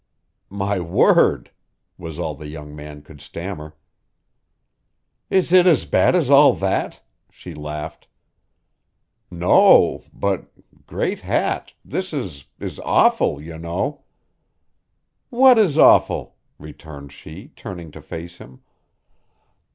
"My word!" was all the young man could stammer. "Is it as bad as all that?" she laughed. "No but Great Hat this is is awful, you know." "What is awful?" returned she, turning to face him.